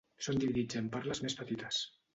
Són dividits en parles més petites.